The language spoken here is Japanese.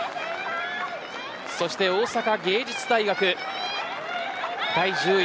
そして、大阪芸術大学第１０位。